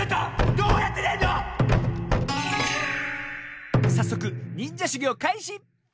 どうやってでんの⁉さっそくにんじゃしゅぎょうかいし！